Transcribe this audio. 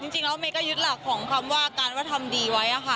จริงแล้วเมย์ก็ยึดหลักของคำว่าการว่าทำดีไว้ค่ะ